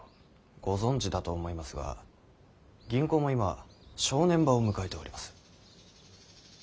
ご存じだと思いますが銀行も今正念場を迎えております。